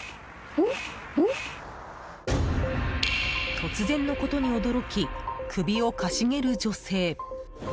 突然のことに驚き首をかしげる女性。